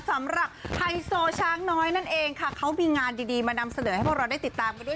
ไฮโซช้างน้อยนั่นเองค่ะเขามีงานดีมานำเสนอให้พวกเราได้ติดตามกันด้วย